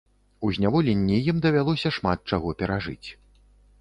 У зняволенні ім давялося шмат чаго перажыць.